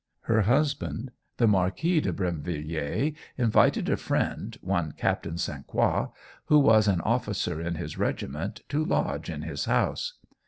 Her husband, the Marquis de Brinvilliers, invited a friend, one Captain St. Croix, who was an officer in his regiment, to lodge in his house.